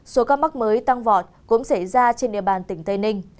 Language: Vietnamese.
số ca mắc mới tăng vọt cũng xảy ra trên địa bàn tỉnh tây ninh